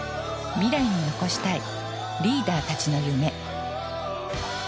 未来に残したいリーダーたちの夢。